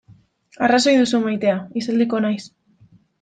Arrazoi duzu maitea, isilduko naiz.